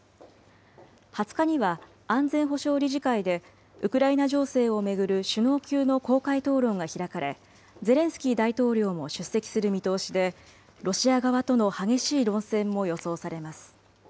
２０日には安全保障理事会で、ウクライナ情勢を巡る首脳級の公開討論が開かれ、ゼレンスキー大統領も出席する見通しで、ロシア側との激しい論戦も予想されます。